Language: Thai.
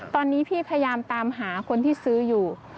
ตอนนี้พี่พยายามตามหาคนที่ซื้ออยู่